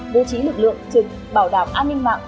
đối chí lực lượng trực bảo đảm an ninh mạng